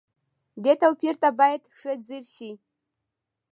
دې توپير ته بايد ښه ځير شئ.